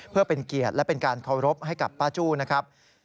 เพื่อเป็นเกียรติและเป็นการเคารพให้กับป้าจู้นะครับ